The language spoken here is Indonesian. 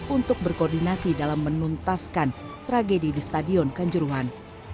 untuk berkoordinasi dalam menuntaskan tragedi di stadion kanjuruhan